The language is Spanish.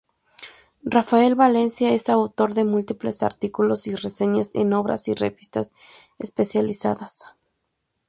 Rafael Valencia es autor de múltiples artículos y reseñas en obras y revistas especializadas.